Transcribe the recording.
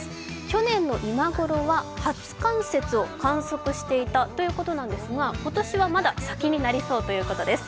去年の今頃は初冠雪を観測していたということなんですが今年はまだ先になりそうということです。